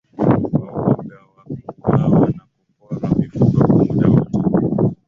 Kwa woga wa kuuawa na kuporwa mifugo muda wote